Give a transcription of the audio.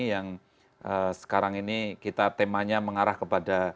yang sekarang ini kita temanya mengarah kepada